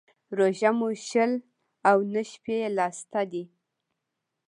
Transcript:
روژه مو شل او نه شپې يې لا سته دى.